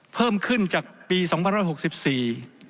เพิ่มขึ้นจากปี๒๐๖๔